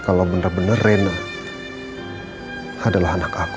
kalau benar benar rena adalah anak aku